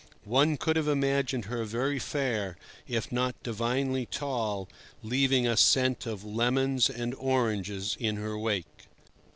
One could have imagined her very fair, if not divinely tall, leaving a scent of lemons and oranges in her wake.